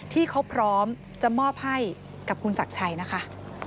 ที่เขาพร้อมจะมอบให้กับคุณศักดิ์ชัยนะคะ